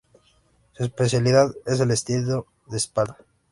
Su especialidad es el estilo de espalda.